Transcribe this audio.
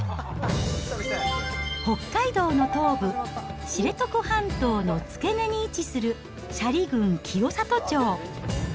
北海道の東部、知床半島の付け根に位置する斜里郡清里町。